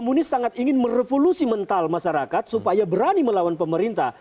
muni sangat ingin merevolusi mental masyarakat supaya berani melawan pemerintah